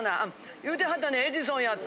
言うてはったねエジソンやって。